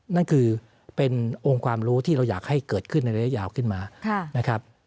นั่นคือเป็นองค์ความรู้ที่เราอยากให้เกิดขึ้นในระยะยาวขึ้นมานะครับ